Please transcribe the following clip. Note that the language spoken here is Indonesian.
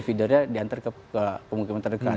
feedernya diantar ke pemukiman terdekat